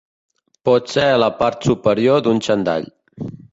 Pot ser la part superior d'un xandall.